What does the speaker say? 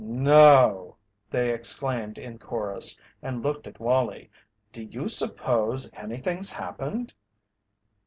"No!" They exclaimed in chorus, and looked at Wallie. "Do you suppose any thing's happened?"